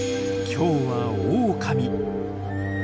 今日はオオカミ。